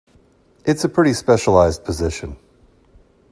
It's a pretty specialized position.